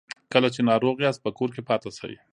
کله چې ناروغ یاست په کور کې پاتې سئ